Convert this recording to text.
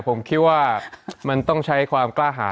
ผมคิดว่ามันต้องใช้ความกล้าหา